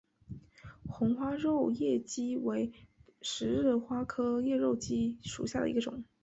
红花肉叶荠为十字花科肉叶荠属下的一个种。